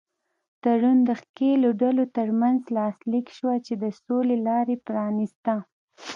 تړون د ښکېلو ډلو تر منځ لاسلیک شوه چې د سولې لاره یې پرانیسته.